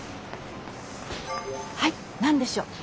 はい何でしょう。